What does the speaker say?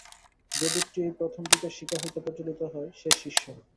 যে দীপটি এই প্রথম দীপের শিখা হইতে প্রজ্বলিত হয়, সে শিষ্য।